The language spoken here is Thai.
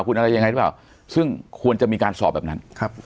คุณอะไรยังไงหรือเปล่าซึ่งควรจะมีการสอบแบบนั้นครับ